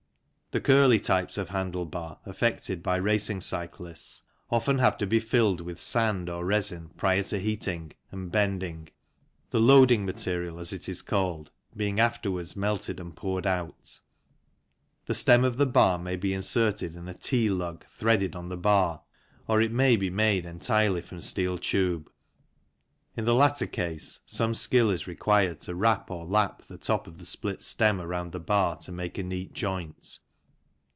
The curly types of handle bar affected by racing cyclists often have to be filled with sand or rezin prior to heating and bending, the " loading " material, as it is called, being afterwards melted and poured out. The stem of the bar may be inserted in a " T " lug threaded on the bar, or it may be made entirely from steel tube. In the latter case some skill is required to wrap or " lap " the top of the split stem around the bar to make a neat joint.